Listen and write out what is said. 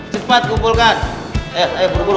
seperti yang belum mengumpulkan